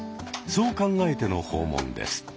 そう考えての訪問です。